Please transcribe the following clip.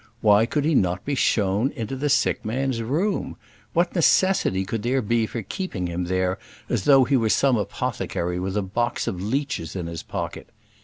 Why could he not be shown into the sick man's room? What necessity could there be for keeping him there, as though he were some apothecary with a box of leeches in his pocket?